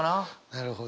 なるほど。